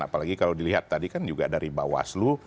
apalagi kalau dilihat tadi kan juga dari bawaslu